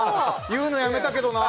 言うのやめたけどな。